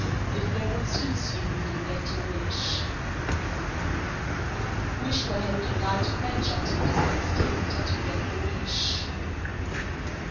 If no one sees you, you will get your wish. 451. Wish while holding a lighted match until it is extinct, and you'll get the wish.